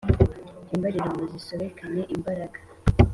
imbariro muzisobekane imbaraga